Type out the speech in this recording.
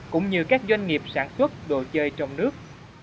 cũng như các doanh nghiệp sản xuất đồ chơi trong nước